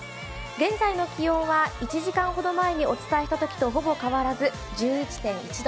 現在の気温は１時間ほど前にお伝えしたときとほぼ変わらず１１．９度。